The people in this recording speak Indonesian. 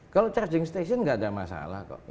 kalau charging station nggak ada masalah kok